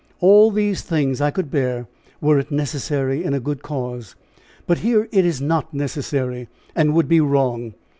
All these things I could bear, were it necessary in a good cause; but here it is not necessary, and would be wrong.